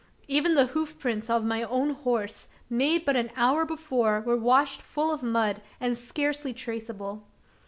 Even the hoof prints of my own horse made but an hour before were washed full of mud, and scarcely traceable.